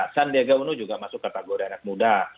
sandiaga uno juga masuk kategori anak muda